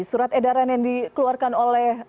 surat edaran yang dikeluarkan oleh